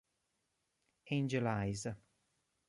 Angel Eyes